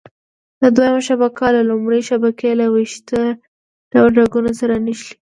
دا دویمه شبکه له لومړۍ شبکې له ویښته ډوله رګونو سره نښلي.